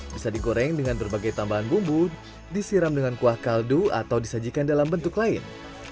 bisa digoreng dengan berbagai tambahan bumbu disiram dengan kuah kaldu atau disajikan dalam bentuk lain